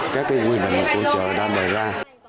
các cái quy định của chợ đã đề ra